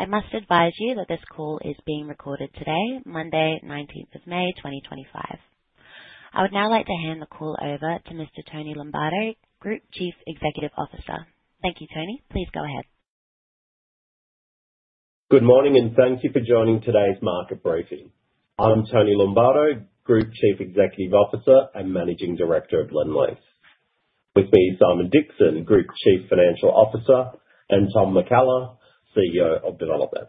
I must advise you that this call is being recorded today, Monday, 19th of May, 2025. I would now like to hand the call over to Mr. Tony Lombardo, Group Chief Executive Officer. Thank you, Tony. Please go ahead. Good morning, and thank you for joining today's market briefing. I'm Tony Lombardo, Group Chief Executive Officer and Managing Director of Lendlease. With me is Simon Dixon, Group Chief Financial Officer, and Tom McCallum, CEO of Development.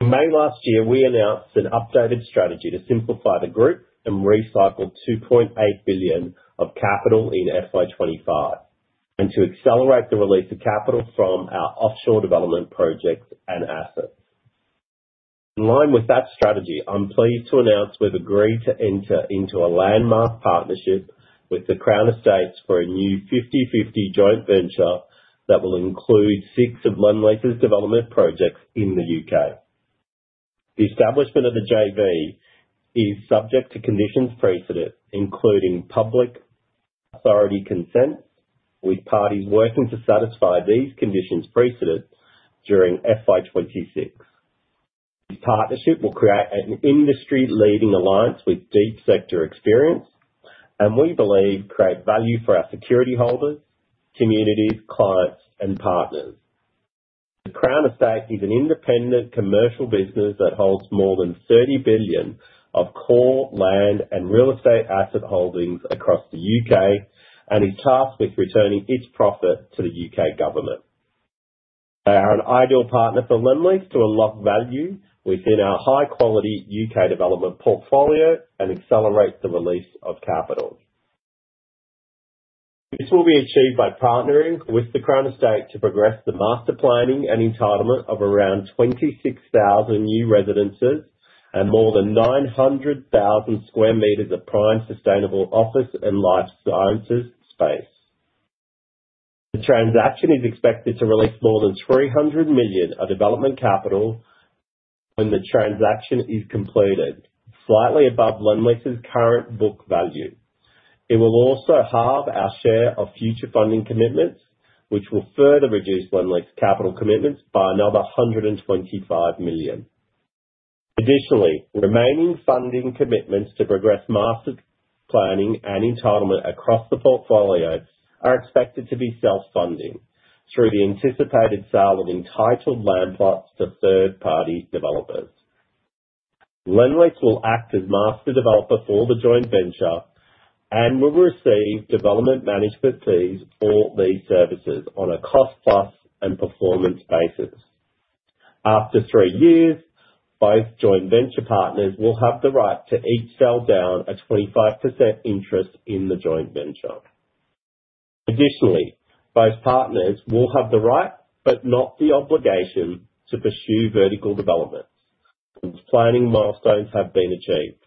In May last year, we announced an updated strategy to simplify the group and recycle $2.8 billion of capital in FY 2025, and to accelerate the release of capital from our offshore development projects and assets. In line with that strategy, I'm pleased to announce we've agreed to enter into a landmark partnership with The Crown Estate for a new 50/50 joint venture that will include six of Lendlease's development projects in the U.K. The establishment of the joint venture is subject to conditions precedent, including public authority consents, with parties working to satisfy these conditions precedent during FY 2026. This partnership will create an industry-leading alliance with deep sector experience, and we believe creates value for our security holders, communities, clients, and partners. The Crown Estate is an independent commercial business that holds more than 30 billion of core, land, and real estate asset holdings across the U.K. and is tasked with returning its profit to the U.K. government. They are an ideal partner for Lendlease to unlock value within our high-quality U.K. development portfolio and accelerate the release of capital. This will be achieved by partnering with The Crown Estate to progress the master planning and entitlement of around 26,000 new residences and more than 900,000 sq m of prime sustainable office and life sciences space. The transaction is expected to release more than $300 million of development capital when the transaction is completed, slightly above Lendlease's current book value. It will also halve our share of future funding commitments, which will further reduce Lendlease's capital commitments by another $125 million. Additionally, remaining funding commitments to progress master planning and entitlement across the portfolio are expected to be self-funding through the anticipated sale of entitled land plots to third-party developers. Lendlease will act as master developer for the joint venture and will receive development management fees for these services on a cost-plus and performance basis. After three years, both joint venture partners will have the right to each sell down a 25% interest in the joint venture. Additionally, both partners will have the right but not the obligation to pursue vertical development, as planning milestones have been achieved.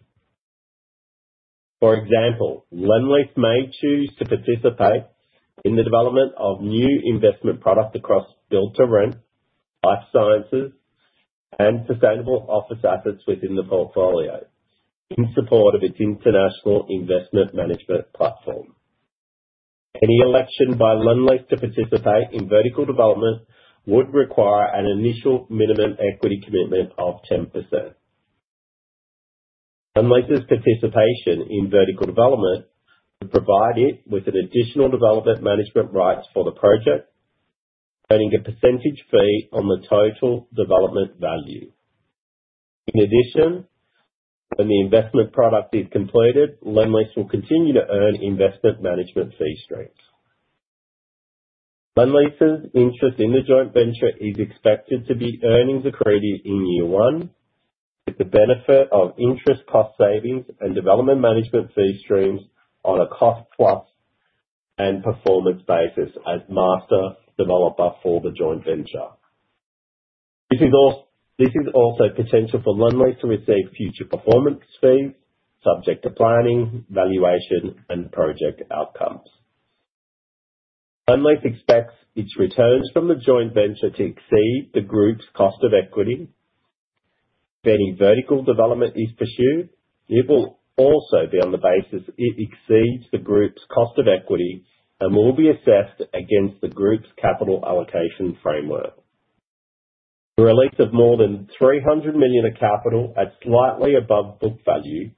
For example, Lendlease may choose to participate in the development of new investment products across build-to-rent, life sciences, and sustainable office assets within the portfolio, in support of its international investment management platform. Any election by Lendlease to participate in vertical development would require an initial minimum equity commitment of 10%. Lendlease's participation in vertical development would provide it with additional development management rights for the project, earning a percentage fee on the total development value. In addition, when the investment product is completed, Lendlease will continue to earn investment management fee streams. Lendlease's interest in the joint venture is expected to be earnings accretive in year one, with the benefit of interest cost savings and development management fee streams on a cost-plus and performance basis as master developer for the joint venture. There is also potential for Lendlease to receive future performance fees, subject to planning, valuation, and project outcomes. Lendlease expects its returns from the joint venture to exceed the group's cost of equity. If any vertical development is pursued, it will also be on the basis it exceeds the group's cost of equity and will be assessed against the group's capital allocation framework. The release of more than $300 million of capital at slightly above book value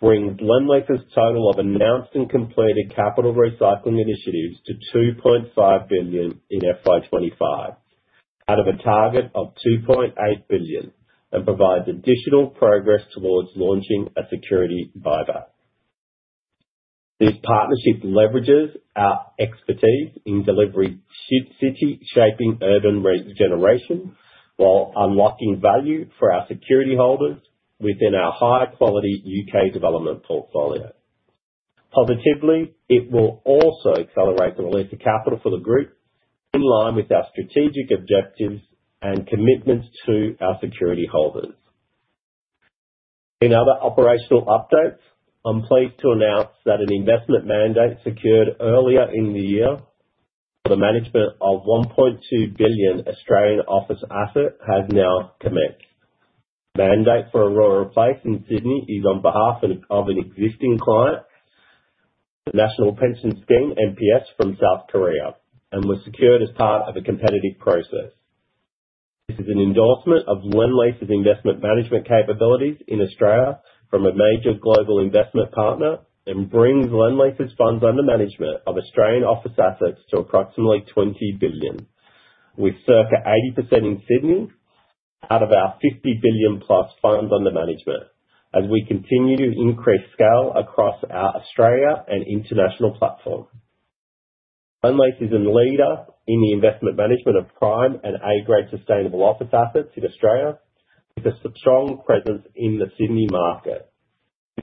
brings Lendlease's total of announced and completed capital recycling initiatives to $2.5 billion in FY 2025, out of a target of $2.8 billion, and provides additional progress towards launching a security buyback. This partnership leverages our expertise in delivering city-shaping urban regeneration while unlocking value for our security holders within our high-quality U.K. development portfolio. Positively, it will also accelerate the release of capital for the group in line with our strategic objectives and commitments to our security holders. In other operational updates, I'm pleased to announce that an investment mandate secured earlier in the year for the management of $1.2 billion Australian office assets has now commenced. The mandate for Aurora Place in Sydney is on behalf of an existing client, the National Pension Service (NPS) from South Korea, and was secured as part of a competitive process. This is an endorsement of Lendlease's investment management capabilities in Australia from a major global investment partner and brings Lendlease's funds under management of Australian office assets to approximately $20 billion, with circa 80% in Sydney out of our $50 billion-plus funds under management, as we continue to increase scale across our Australia and international platform. Lendlease is a leader in the investment management of prime and A-grade sustainable office assets in Australia, with a strong presence in the Sydney market.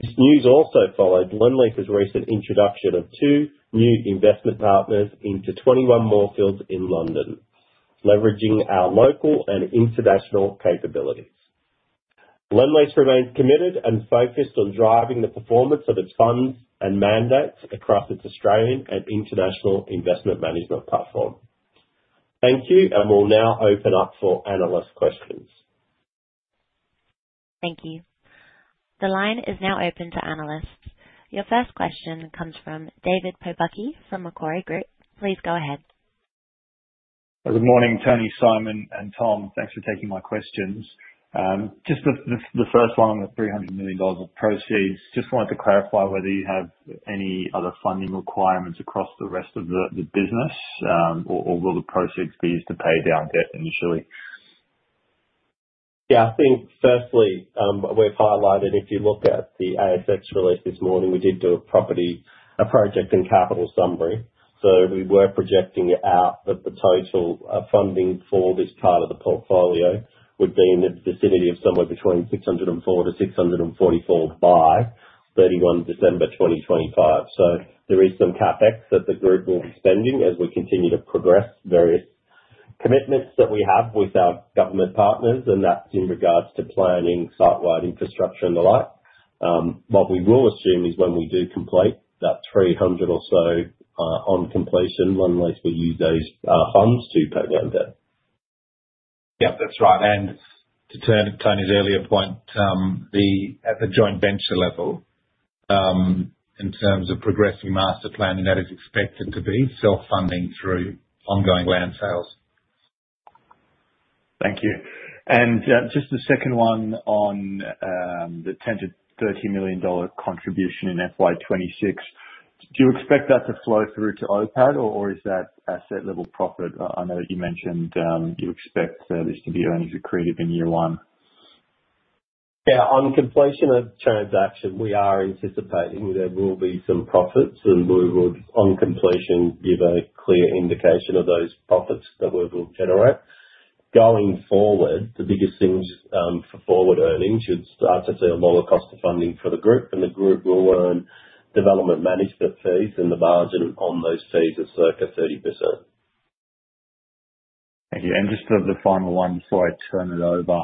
This news also followed Lendlease's recent introduction of two new investment partners into 21 Moorfields in London, leveraging our local and international capabilities. Lendlease remains committed and focused on driving the performance of its funds and mandates across its Australian and international investment management platform. Thank you, and we'll now open up for analyst questions. Thank you. The line is now open to analysts. Your first question comes from David Pobucky from Macquarie Group. Please go ahead. Good morning, Tony, Simon, and Tom. Thanks for taking my questions. Just the first one on the $300 million of proceeds, just wanted to clarify whether you have any other funding requirements across the rest of the business, or will the proceeds be used to pay down debt initially? Yeah, I think, firstly, we've highlighted, if you look at the ASX release this morning, we did do a property project and capital summary. We were projecting out that the total funding for this part of the portfolio would be in the vicinity of somewhere between $604 million-$ 644 million by 31 December 2025. There is some CapEx that the group will be spending as we continue to progress various commitments that we have with our government partners, and that's in regards to planning, site-wide infrastructure, and the like. What we will assume is when we do complete that $300 million or so on completion, Lendlease will use those funds to pay down debt. Yep, that's right. To turn to Tony's earlier point, at the joint venture level, in terms of progressing master planning, that is expected to be self-funding through ongoing land sales. Thank you. Just the second one on the $10-$30 million contribution in FY 2026, do you expect that to flow through to OPAD, or is that asset-level profit? I know that you mentioned you expect this to be earnings accretive in year one. Yeah, on completion of transaction, we are anticipating there will be some profits, and we would, on completion, give a clear indication of those profits that we will generate. Going forward, the biggest things for forward earnings should start to see a lower cost of funding for the group, and the group will earn development management fees, and the margin on those fees is circa 30%. Thank you. And just the final one before I turn it over,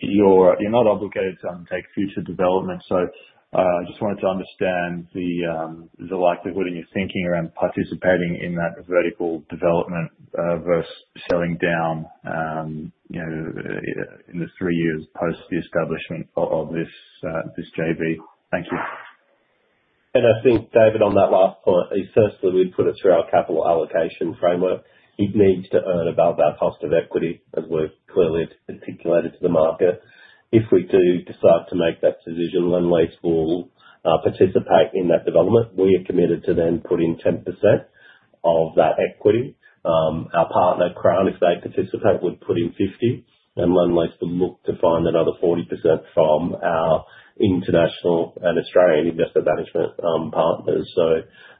you're not obligated to undertake future development, so I just wanted to understand the likelihood in your thinking around participating in that vertical development versus selling down in the three years post the establishment of this JV. Thank you. I think, David, on that last point, firstly, we'd put it through our capital allocation framework. It needs to earn above our cost of equity, as we've clearly articulated to the market. If we do decide to make that decision, Lendlease will participate in that development. We are committed to then putting 10% of that equity. Our partner, Crown, if they participate, would put in 50%, and Lendlease would look to find another 40% from our international and Australian investor management partners.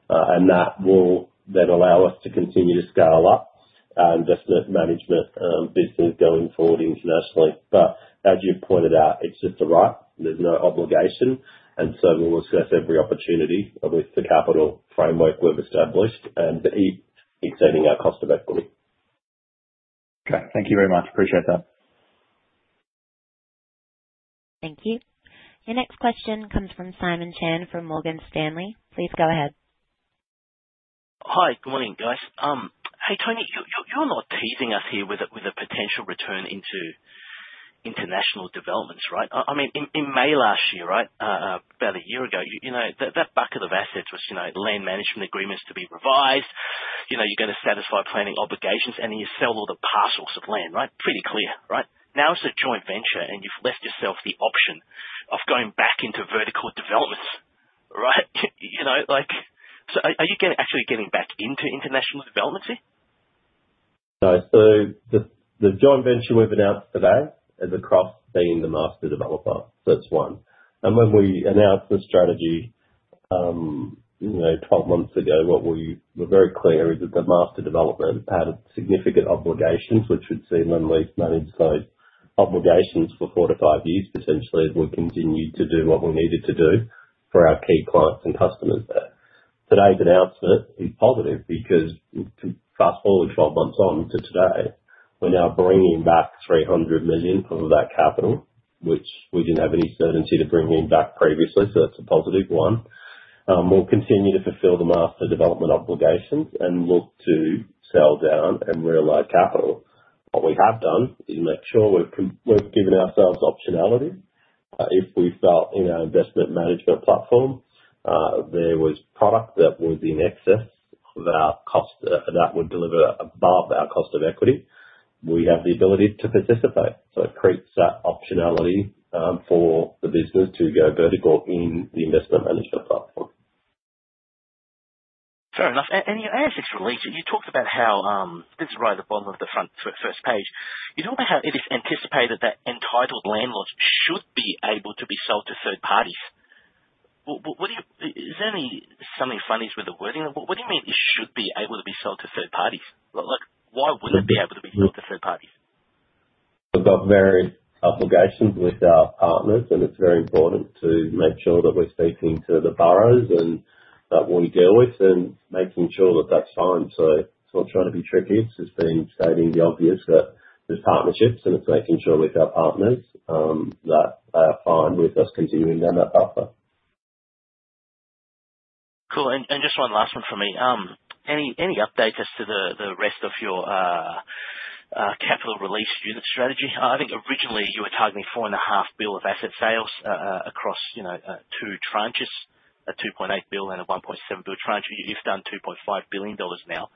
That will then allow us to continue to scale up our investment management business going forward internationally. As you've pointed out, it's just a right. There's no obligation. We will assess every opportunity with the capital framework we've established and exceeding our cost of equity. Okay. Thank you very much. Appreciate that. Thank you. Your next question comes from Simon Chan from Morgan Stanley. Please go ahead. Hi, good morning, guys. Hey, Tony, you're not teasing us here with a potential return into international developments, right? I mean, in May last year, right, about a year ago, that bucket of assets was land management agreements to be revised. You're going to satisfy planning obligations, and then you sell all the parcels of land, right? Pretty clear, right? Now it's a joint venture, and you've left yourself the option of going back into vertical developments, right? So are you actually getting back into international development here? No. The joint venture we've announced today is across being the master developer. That's one. When we announced the strategy 12 months ago, what we were very clear is that the master development had significant obligations, which would see Lendlease manage those obligations for four to five years, potentially, as we continue to do what we needed to do for our key clients and customers there. Today's announcement is positive because, fast forward 12 months on to today, we're now bringing back $300 million of that capital, which we didn't have any certainty to bringing back previously, so that's a positive one. We'll continue to fulfill the master development obligations and look to sell down and recycle capital. What we have done is make sure we've given ourselves optionality. If we felt in our investment management platform there was product that was in excess of our cost that would deliver above our cost of equity, we have the ability to participate. It creates that optionality for the business to go vertical in the investment management platform. Fair enough. In your ASX release, you talked about how this is right at the bottom of the front first page. You talked about how it is anticipated that entitled landlords should be able to be sold to third parties. Is there something funny with the wording? What do you mean it should be able to be sold to third parties? Why would it not be able to be sold to third parties? We've got various obligations with our partners, and it's very important to make sure that we're speaking to the boroughs that we deal with and making sure that that's fine. It's not trying to be tricky. It's just been stating the obvious that there's partnerships, and it's making sure with our partners that they are fine with us continuing down that pathway. Cool. Just one last one from me. Any updates as to the rest of your capital release unit strategy? I think originally you were targeting $4.5 billion of asset sales across two tranches, a $2.8 billion and a $1.7 billion tranche. You've done $2.5 billion now.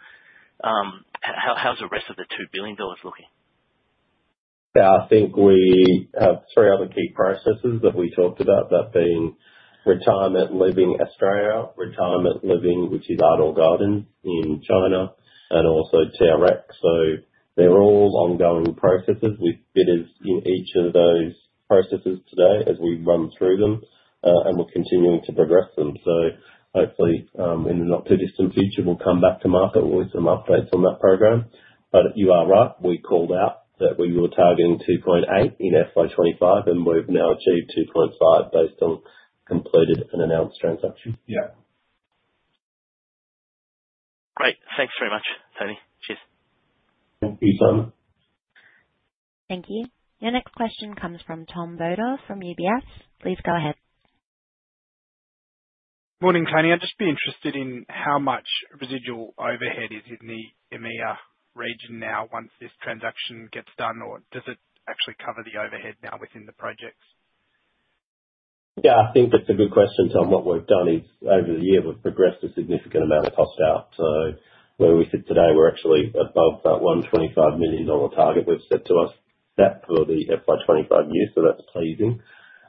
How's the rest of the $2 billion looking? Yeah, I think we have three other key processes that we talked about, that being retirement living Australia, retirement living, which is Ador Garden in China, and also TRX. They are all ongoing processes. We bid in each of those processes today as we run through them, and we are continuing to progress them. Hopefully, in the not-too-distant future, we will come back to market with some updates on that program. You are right. We called out that we were targeting $2.8 billion in FY 2025, and we have now achieved $2.5 billion based on completed and announced transactions. Yeah. Great. Thanks very much, Tony. Cheers. Thank you, Simon. Thank you. Your next question comes from Tom Bodor from UBS. Please go ahead. Morning, Tony. I'd just be interested in how much residual overhead is in the EMEA region now once this transaction gets done, or does it actually cover the overhead now within the projects? Yeah, I think that's a good question. What we've done is, over the year, we've progressed a significant amount of cost out. Where we sit today, we're actually above that $125 million target we've set for the FY 2025 year, so that's pleasing.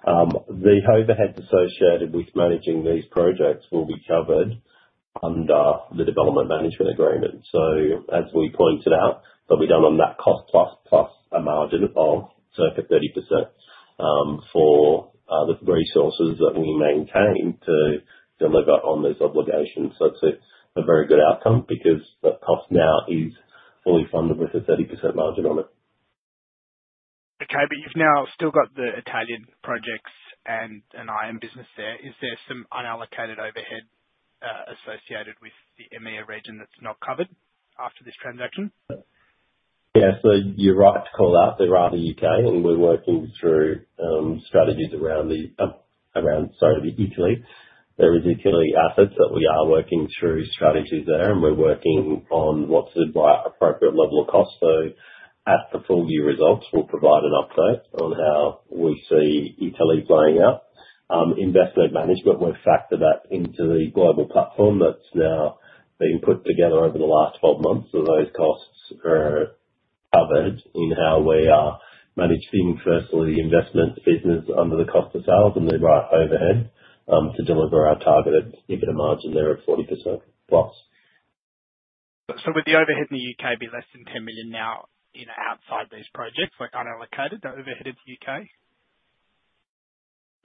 The overhead associated with managing these projects will be covered under the development management agreement. As we pointed out, they'll be done on that cost plus a margin of circa 30% for the resources that we maintain to deliver on those obligations. It's a very good outcome because the cost now is fully funded with a 30% margin on it. Okay, but you've now still got the Italian projects and an iron business there. Is there some unallocated overhead associated with the EMEA region that's not covered after this transaction? Yeah, you're right to call out. They're out of the U.K., and we're working through strategies around, sorry, Italy. There are Italy assets that we are working through strategies there, and we're working on what's the appropriate level of cost. At the full year results, we'll provide an update on how we see Italy playing out. Investment management, we've factored that into the global platform that's now being put together over the last 12 months. Those costs are covered in how we are managing, firstly, the investment business under the cost of sales and the right overhead to deliver our targeted margin there at 40% plus. Would the overhead in the U.K. be less than $10 million now outside these projects, unallocated, the overhead in the U.K.?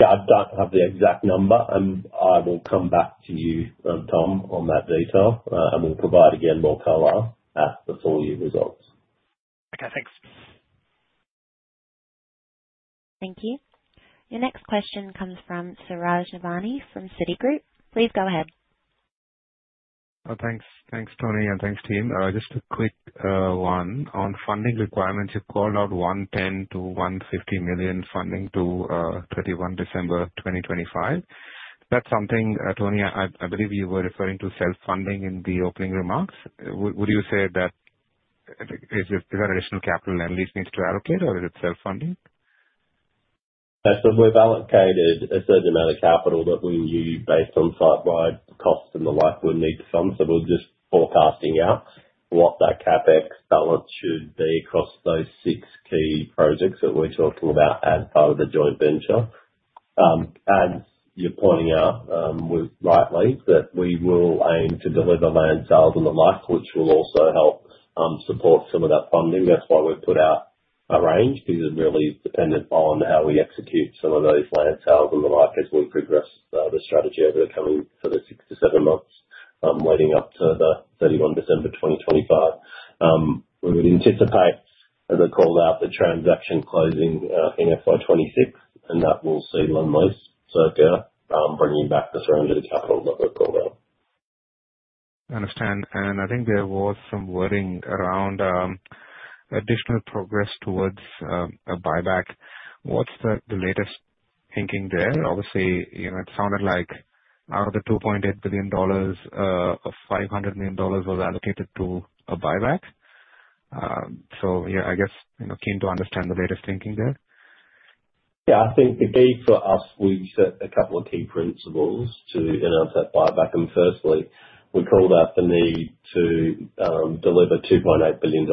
Yeah, I don't have the exact number. I will come back to you, Tom, on that detail and will provide again more color at the full year results. Okay, thanks. Thank you. Your next question comes from Suraj Nebhani from Citi. Please go ahead. Thanks, Tony, and thanks team. Just a quick one on funding requirements. You called out $10 million-$150 million funding to 31 December 2025. That's something, Tony, I believe you were referring to self-funding in the opening remarks. Would you say that is that additional capital Lendlease needs to allocate, or is it self-funding? That's a we've allocated a certain amount of capital that we use based on site-wide costs and the like we need to fund. So we're just forecasting out what that CapEx balance should be across those six key projects that we're talking about as part of the joint venture. As you're pointing out rightly, that we will aim to deliver land sales and the like, which will also help support some of that funding. That's why we've put out a range, because it really is dependent on how we execute some of those land sales and the like as we progress the strategy over the coming six to seven months leading up to the 31 December 2025. We would anticipate, as I called out, the transaction closing in FY26, and that will see Lendlease circa bringing back the $300 capital that we've called out. I understand. I think there was some worrying around additional progress towards a buyback. What's the latest thinking there? Obviously, it sounded like out of the $2.8 billion, $500 million was allocated to a buyback. I guess keen to understand the latest thinking there. Yeah, I think the key for us, we set a couple of key principles to announce that buyback. Firstly, we called out the need to deliver $2.8 billion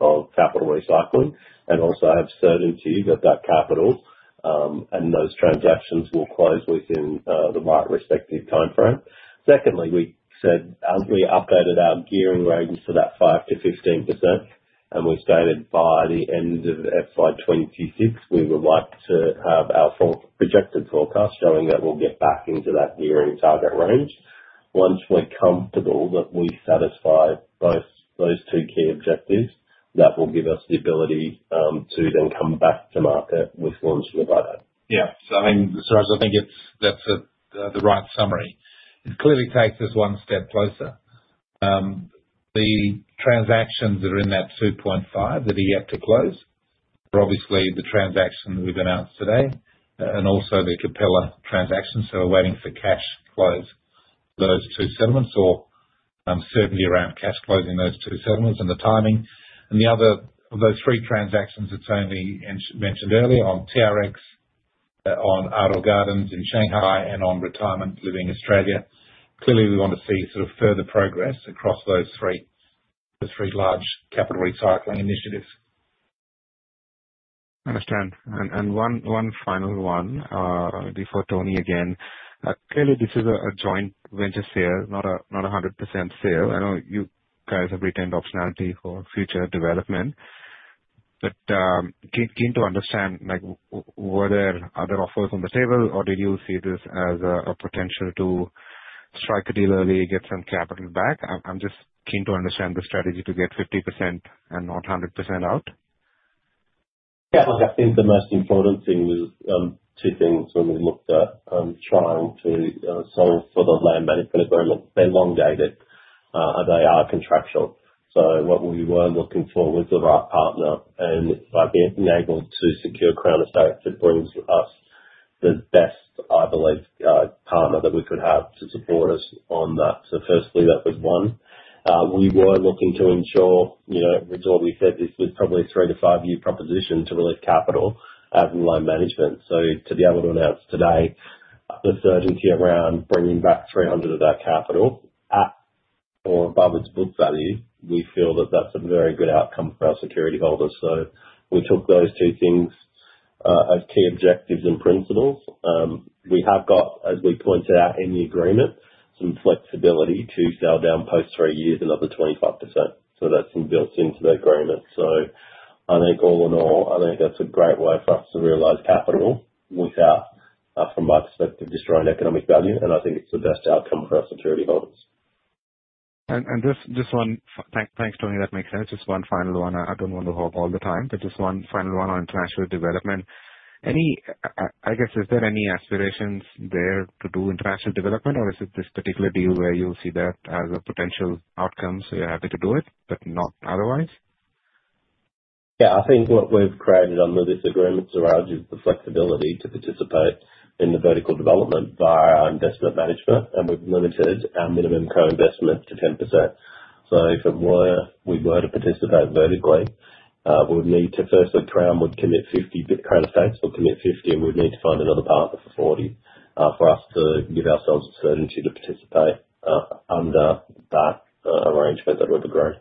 of capital recycling and also have certainty that that capital and those transactions will close within the right respective timeframe. Secondly, we said we updated our gearing range to that 5%-15%, and we stated by the end of FY 2026, we would like to have our projected forecast showing that we'll get back into that gearing target range. Once we're comfortable that we satisfy both those two key objectives, that will give us the ability to then come back to market with launching a buyback. Yeah. I mean, Suraj, I think that's the right summary. It clearly takes us one step closer. The transactions that are in that $2.5 billion that are yet to close are obviously the transaction that we've announced today and also the Capella transaction. We're waiting for cash close for those two settlements or certainty around cash closing those two settlements and the timing. The other of those three transactions that Tony mentioned earlier on TRX, on Ardor Gardens in Shanghai, and on Retirement Living Australia, clearly we want to see sort of further progress across those three large capital recycling initiatives. I understand. One final one before Tony again. Clearly, this is a joint venture sale, not a 100% sale. I know you guys have retained optionality for future development, but keen to understand, were there other offers on the table, or did you see this as a potential to strike a deal early, get some capital back? I'm just keen to understand the strategy to get 50% and not 100% out. Yeah, I think the most important thing was two things when we looked at trying to solve for the land management agreement. They're long dated. They are contractual. What we were looking for was the right partner. By being able to secure The Crown Estate, it brings us the best, I believe, partner that we could have to support us on that. Firstly, that was one. We were looking to ensure, as we said, this was probably a three- to five-year proposition to relieve capital out of the land management. To be able to announce today the certainty around bringing back $300 million of that capital at or above its book value, we feel that that's a very good outcome for our security holders. We took those two things as key objectives and principles. We have got, as we pointed out in the agreement, some flexibility to sell down post three years another 25%. That has been built into the agreement. I think all in all, I think that is a great way for us to realise capital without, from my perspective, destroying economic value. I think it is the best outcome for our security holders. Just one, thanks, Tony. That makes sense. Just one final one. I do not want to hog all the time, but just one final one on international development. I guess, is there any aspirations there to do international development, or is it this particular deal where you will see that as a potential outcome so you are happy to do it but not otherwise? Yeah, I think what we've created under this agreement, Suraj, is the flexibility to participate in the vertical development via our investment management. We've limited our minimum co-investment to 10%. If we were to participate vertically, we would need to firstly, Crown would commit 50%, Crown Estate would commit 50%, and we'd need to find another partner for 40% for us to give ourselves the certainty to participate under that arrangement that we've agreed.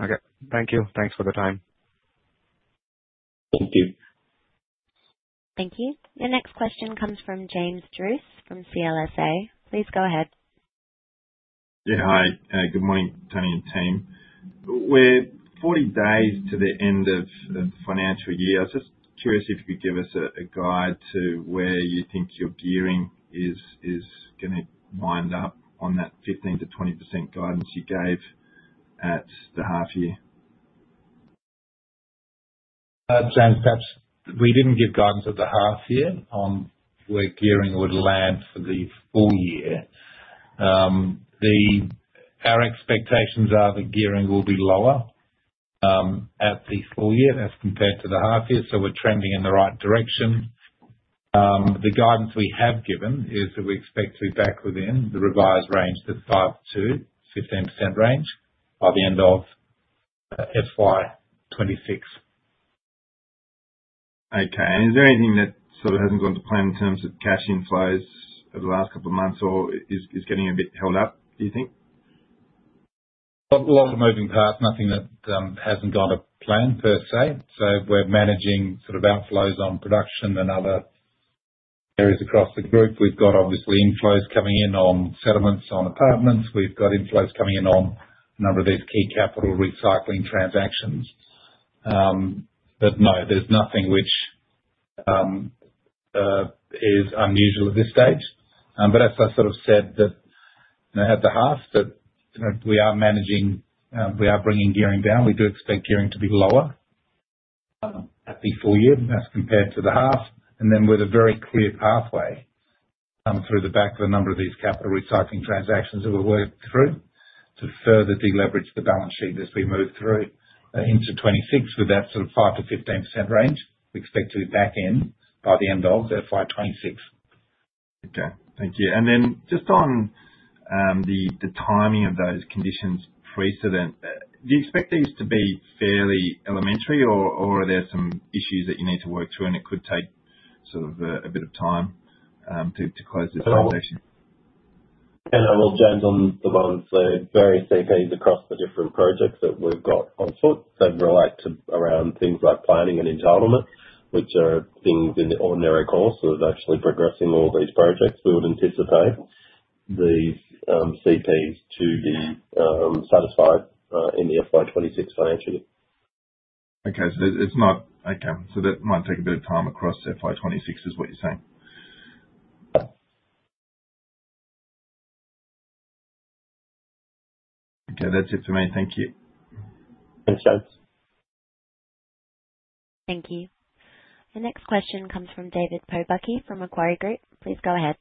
Okay. Thank you. Thanks for the time. Thank you. Thank you. Your next question comes from James Druce from CLSA. Please go ahead. Yeah, hi. Good morning, Tony and team. We're 40 days to the end of the financial year. I was just curious if you could give us a guide to where you think your gearing is going to wind up on that 15%-20% guidance you gave at the half year. James, perhaps we didn't give guidance at the half year on where gearing would land for the full year. Our expectations are the gearing will be lower at the full year as compared to the half year, so we're trending in the right direction. The guidance we have given is that we expect to be back within the revised range to 5%-15% range by the end of FY 2026. Okay. Is there anything that sort of has not gone to plan in terms of cash inflows over the last couple of months or is getting a bit held up, do you think? A lot of moving past, nothing that has not gone to plan per se. We are managing sort of outflows on production and other areas across the group. We have obviously inflows coming in on settlements on apartments. We have inflows coming in on a number of these key capital recycling transactions. No, there is nothing which is unusual at this stage. As I sort of said at the half, we are managing, we are bringing gearing down. We do expect gearing to be lower at the full year as compared to the half. With a very clear pathway through the back of a number of these capital recycling transactions that we have worked through to further deleverage the balance sheet as we move through into 2026 with that sort of 5%-15% range, we expect to be back in by the end of FY 2026. Okay. Thank you. And then just on the timing of those conditions precedent, do you expect these to be fairly elementary, or are there some issues that you need to work through, and it could take sort of a bit of time to close this transaction? I will jump on the one slide. Various CPs across the different projects that we've got on foot that relate to things like planning and entitlement, which are things in the ordinary course of actually progressing all these projects, we would anticipate these CPs to be satisfied in the FY 2026 financial year. Okay. So it's not okay. So that might take a bit of time across FY 2026, is what you're saying? Yeah. Okay. That's it for me. Thank you. Thanks, James. Thank you. Your next question comes from David Pobucky from Macquarie Group. Please go ahead.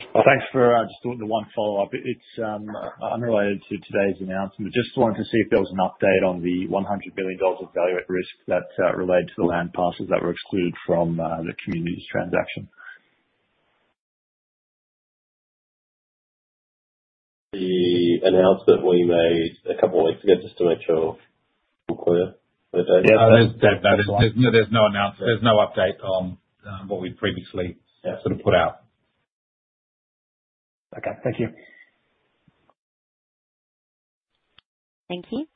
Thanks for just doing the one follow-up. It's unrelated to today's announcement. Just wanted to see if there was an update on the $100 billion of value at risk that related to the land passes that were excluded from the community's transaction. The announcement we made a couple of weeks ago, just to make sure I'm clear with it. Yeah, there's no announcement. There's no update on what we previously sort of put out. Okay. Thank you. Thank you.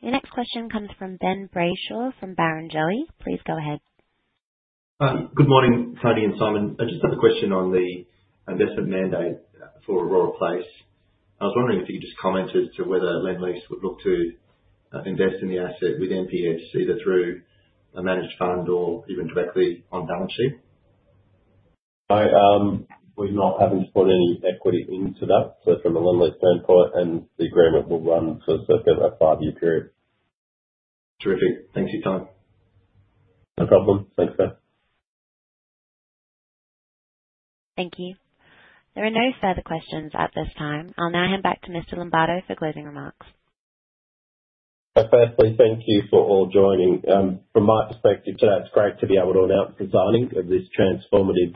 Your next question comes from Ben Brayshaw from Barrenjoey. Please go ahead. Good morning, Tony and Simon. I just have a question on the investment mandate for Aurora Place. I was wondering if you could just comment as to whether Lendlease would look to invest in the asset with NPS, either through a managed fund or even directly on balance sheet? No. We're not having to put any equity into that. From a Lendlease standpoint, the agreement will run for a circa five-year period. Terrific. Thanks for your time. No problem. Thanks, Ben. Thank you. There are no further questions at this time. I'll now hand back to Mr. Lombardo for closing remarks. Firstly, thank you for all joining. From my perspective today, it's great to be able to announce the signing of this transformative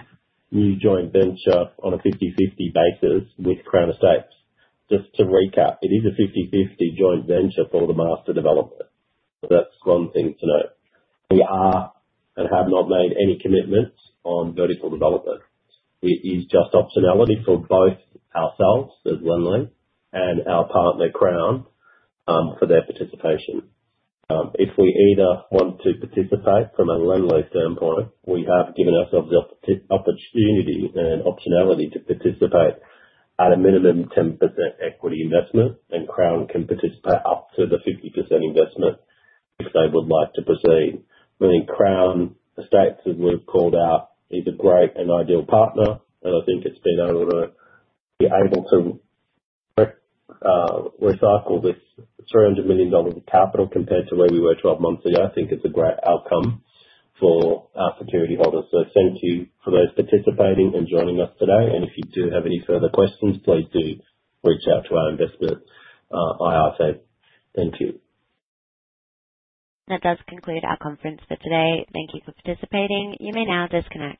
new joint venture on a 50/50 basis with The Crown Estate. Just to recap, it is a 50/50 joint venture for the master development. That's one thing to note. We are and have not made any commitments on vertical development. It is just optionality for both ourselves, as Lendlease, and our partner, The Crown Estate, for their participation. If we either want to participate from a Lendlease standpoint, we have given ourselves the opportunity and optionality to participate at a minimum 10% equity investment, and The Crown Estate can participate up to the 50% investment if they would like to proceed. I think The Crown Estate, as we've called out, is a great and ideal partner. I think it's been able to recycle this $300 million of capital compared to where we were 12 months ago. I think it's a great outcome for our security holders. Thank you for those participating and joining us today. If you do have any further questions, please do reach out to our investment IR team. Thank you. That does conclude our conference for today. Thank you for participating. You may now disconnect.